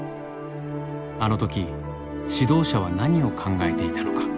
あの時指導者は何を考えていたのか。